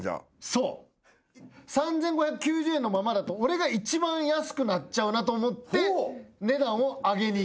そう３，５９０円のままだと俺が一番安くなっちゃうなと思って値段を上げにいきました。